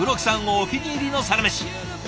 お気に入りのサラメシ。